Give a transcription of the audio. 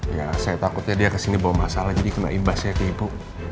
ya saya takutnya dia kesini bawa masalah jadi kena imbas ya ke ibu